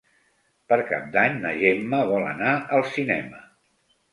Per Cap d'Any na Gemma vol anar al cinema.